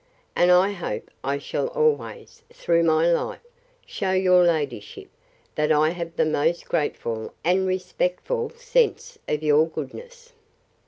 —And I hope I shall always, through my life, shew your ladyship, that I have the most grateful and respectful sense of your goodness.